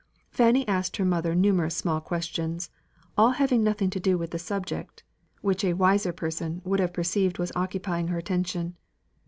Fanny asked her mother numerous small questions, all having nothing to do with the subject, which a wiser person would have perceived was occupying her attention.